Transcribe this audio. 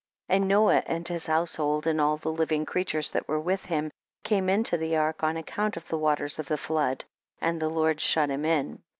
15. And Noah and his household, and all the living creatures that were with him, came into the ark on ac count of the waters of the flood, and the Lord shut him in.